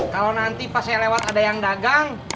kalau nanti pas saya lewat ada yang dagang